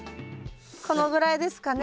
このぐらいですかね？